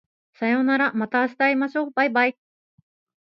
さようならまた明日会いましょう baibai